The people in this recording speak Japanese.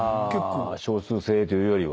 少数精鋭というよりは。